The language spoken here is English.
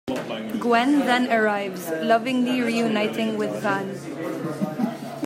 Gwen then arrives, lovingly reuniting with Van.